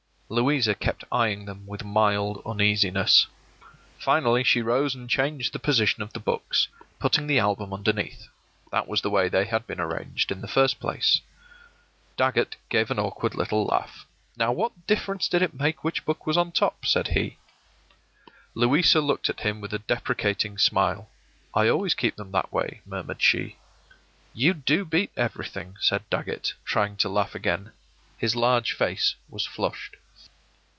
Louisa kept eying them with mild uneasiness. Finally she rose and changed the position of the books, putting the album underneath. That was the way they had been arranged in the first place. Dagget gave an awkward little laugh. “Now what difference did it make which book was on top?” said he. Louisa looked at him with a deprecating smile. “I always keep them that way,” murmured she. “You do beat everything,” said Dagget, trying to laugh again. His large face was flushed.